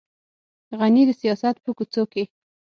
غني د سیاست په کوڅو کې.